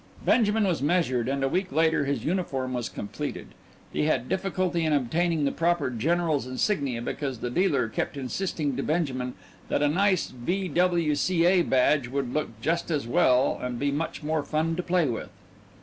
Benjamin was measured, and a week later his uniform was completed. He had difficulty in obtaining the proper general's insignia because the dealer kept insisting to Benjamin that a nice V.W.C.A. badge would look just as well and be much more fun to play with.